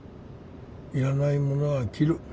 要らないものは切る。